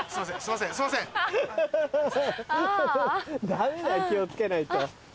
ダメだよ気を付けないと。